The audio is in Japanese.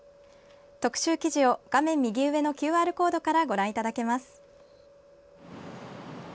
特集記事を画面右上のＱＲコードからご覧いただけます。